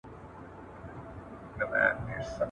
د سمنگان مرکزي ښار ایبک دی.